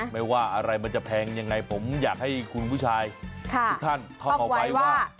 ไม่ว่าอะไรมันจะแพงยังไงผมอยากให้คุณผู้ชายทุกท่านท่องเอาไว้ว่า